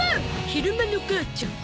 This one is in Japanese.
昼間の母ちゃん。